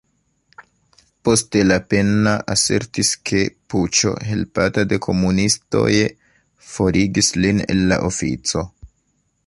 Poste Lapenna asertis ke "puĉo", helpata de komunistoj, forigis lin el la ofico.